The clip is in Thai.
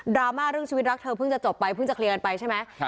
ราม่าเรื่องชีวิตรักเธอเพิ่งจะจบไปเพิ่งจะเคลียร์กันไปใช่ไหม